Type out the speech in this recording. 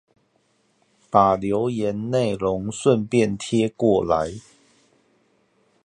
把留言內容順便貼過來